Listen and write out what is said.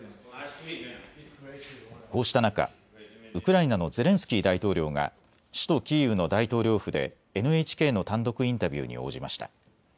こうした中、ウクライナのゼレンスキー大統領が首都キーウの大統領府でＮＨＫの単独インタビューに応じました。